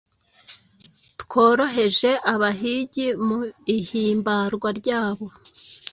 tworoheje. Abahigi mu ihimbarwa ryabo ,